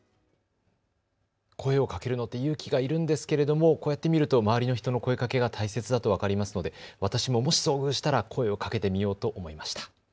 声をかけるのは勇気がいるんですけれどもこうやって見ると周りの人の声かけが大切だと分かりますので私ももし遭遇したら声をかけてみようと思いました。